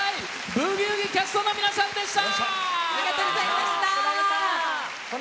「ブギウギ」キャストの皆さんでした。